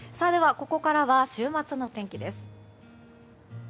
ここからは週末の天気です。